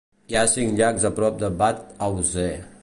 Hi ha cinc llacs a prop de Bad Aussee.